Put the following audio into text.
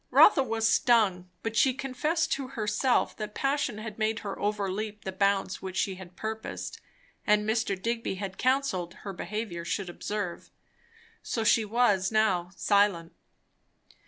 Rotha was stung, but she confessed to herself that passion had made her overleap the bounds which she had purposed, and Mr. Digby had counselled, her behaviour should observe. So she was now silent.